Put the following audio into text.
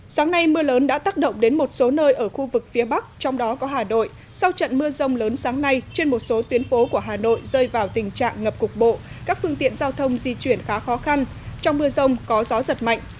sáng nay mưa lớn đã tác động đến một số nơi ở khu vực phía bắc trong đó có hà đội sau trận mưa rông lớn sáng nay trên một số tuyến phố của hà nội rơi vào tình trạng ngập cục bộ các phương tiện giao thông di chuyển khá khó khăn trong mưa rông có gió giật mạnh